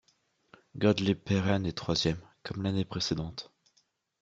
Gottlieb Perren est troisième, comme l'année précédente.